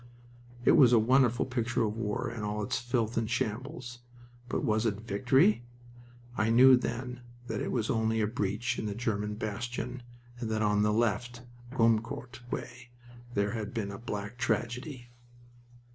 It was a wonderful picture of war in all its filth and shambles. But was it Victory? I knew then that it was only a breach in the German bastion, and that on the left, Gommecourt way, there had been black tragedy.